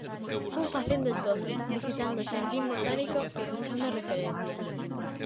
Fun facendo esbozos, visitando o xardín botánico e buscando referencias.